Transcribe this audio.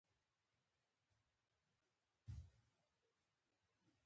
دا تنده د تفاهم په اوبو مړ کېږي.